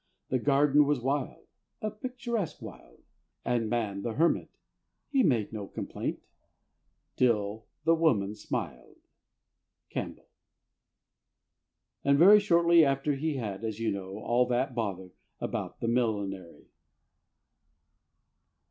"The garden was a wild" (a picturesque wild) "And man the hermit" (he made no complaint) "Till the woman smiled." CAMPBELL. [And very shortly after he had, as you know, all that bother about the millinery.